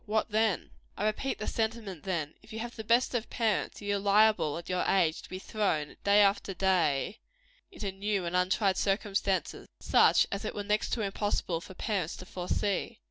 What then? I repeat the sentiment, then: if you have the best of parents, you are liable, at your age, to be thrown, day after day, into new and untried circumstances such as it were next to impossible for parents to foresee.